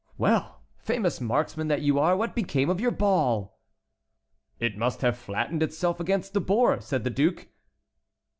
"Well, famous marksman that you are, what became of your ball?" "It must have flattened itself against the boar," said the duke.